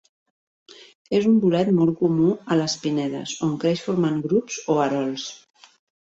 És un bolet molt comú a les pinedes, on creix formant grups o erols.